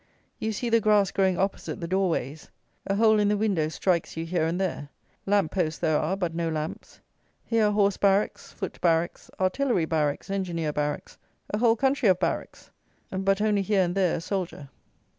You see the grass growing opposite the door ways. A hole in the window strikes you here and there. Lamp posts there are, but no lamps. Here are horse barracks, foot barracks, artillery barracks, engineer barracks: a whole country of barracks; but, only here and there a soldier.